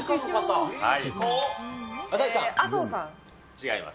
違います。